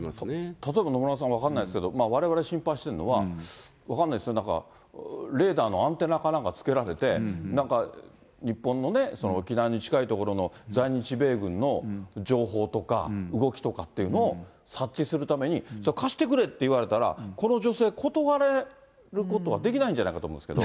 例えば、野村さん、分かんないですけど、われわれ心配しているのは、分からないですよ、なんかレーダーのアンテナかなんかつけられて、なんか日本のね、沖縄に近い所の在日米軍の情報とか動きとかっていうのを察知するために、貸してくれて言われたら、この女性、断れることはできないんじゃないかと思うんですけど。